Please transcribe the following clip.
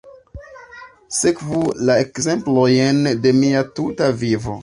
Sekvu la ekzemplojn de mia tuta vivo.